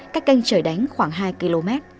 cách canh trời đánh khoảng hai km